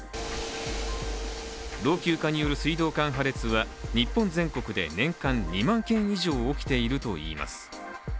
老朽化による水道管破裂は日本全国で年間２万件以上起きているといいます。